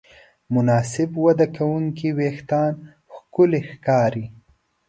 مناسب وده کوونکي وېښتيان ښکلي ښکاري.